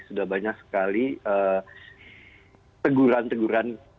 sudah banyak sekali teguran teguran